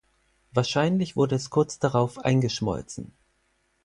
Wahrscheinlich wurde es kurz darauf eingeschmolzen.